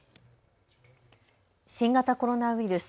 新型コロナウイルス。